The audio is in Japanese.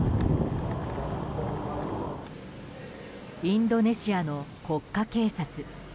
インドネシアの国家警察。